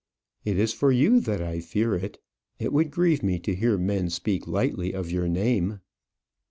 "It is for you that I fear it. It would grieve me to hear men speak lightly of your name."